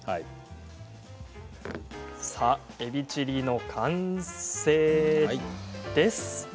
えびチリの完成です。